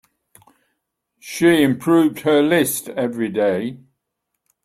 She improved her list every day.